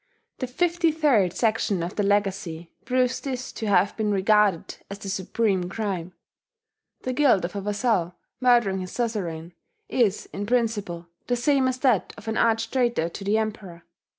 The 53rd section of the Legacy proves this to have been regarded as the supreme crime: "The guilt of a vassal murdering his suzerain is in principle the same as that of an arch traitor to the Emperor.